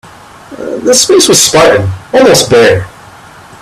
The space was spartan, almost bare.